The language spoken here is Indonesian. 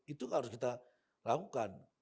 itu harus kita lakukan